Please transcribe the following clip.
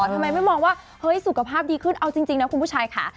ทำไมไม่มองว่าเฮ้ยสุขภาพดีขึ้นเอาจริงนะคุณผู้ชายค่ะ